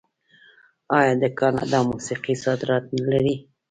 آیا د کاناډا موسیقي صادرات نلري؟